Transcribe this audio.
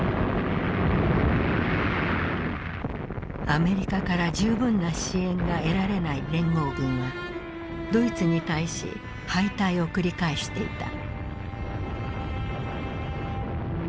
アメリカから十分な支援が得られない連合軍はドイツに対し敗退を繰り返していた。